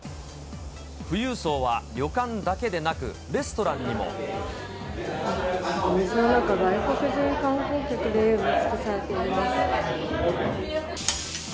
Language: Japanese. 富裕層は旅館だけでなく、お店の中、外国人観光客で埋め尽くされています。